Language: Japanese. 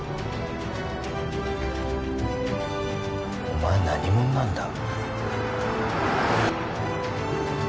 お前何者なんだ？